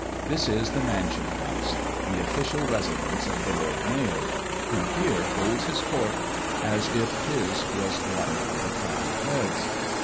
This is the Mansion house; the official residence of the Lord Mayor, who here holds his court, as if his was one of the crowned heads.